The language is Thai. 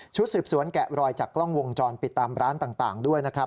สืบสวนแกะรอยจากกล้องวงจรปิดตามร้านต่างด้วยนะครับ